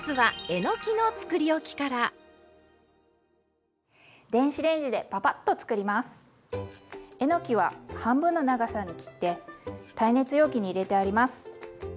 えのきは半分の長さに切って耐熱容器に入れてあります。